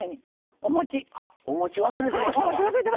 おもち忘れてましたわ。